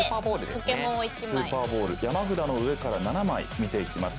スーパーボール山札の上から７枚みていきます。